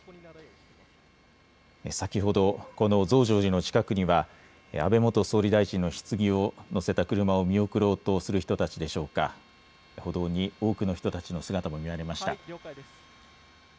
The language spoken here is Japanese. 先ほどこの増上寺の近くには安倍元総理大臣のひつぎを乗せた車を見送ろうとする人たちでしょうか、歩道に多くの人たちの姿も見られました。